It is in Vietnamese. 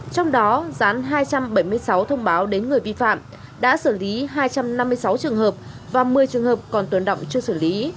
trong đó gián hai trăm bảy mươi sáu thông báo đến người vi phạm đã xử lý hai trăm năm mươi sáu trường hợp và một mươi trường hợp còn tồn động chưa xử lý